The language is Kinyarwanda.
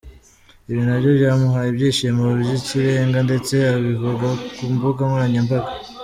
Ibi nabyo byamuhaye ibyishimo by’ikirenga ndetse abivuga ku mbuga nkoranyambaga.